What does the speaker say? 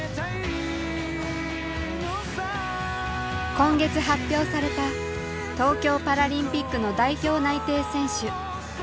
今月発表された東京パラリンピックの代表内定選手。